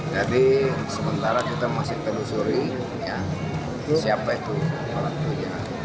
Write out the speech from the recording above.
jadi sementara kita masih menelusuri siapa itu